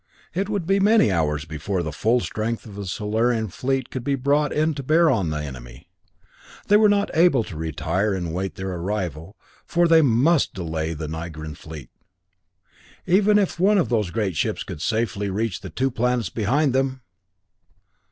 It would be many hours before the full strength of the Solarian fleet could be brought to bear on the enemy. They were not able to retire and await their arrival, for they must delay the Nigran fleet. If even one of those great ships should safely reach the two planets behind them